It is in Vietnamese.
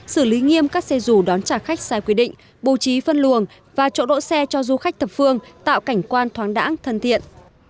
xử lý nghiêm các xe rủ đón trả khách sai quy định bố trí phân luồng và chỗ đỗ xe cho du khách thập phương tạo cảnh quan thoáng đẳng thân thiện